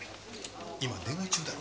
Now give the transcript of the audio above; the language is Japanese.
今電話中だろ。